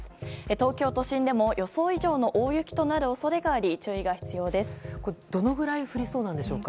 東京都心でも予想以上の大雪となる恐れがありどのくらい降りそうでしょうか。